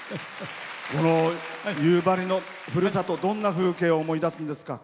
夕張のふるさとどんな風景を思い出すんですか？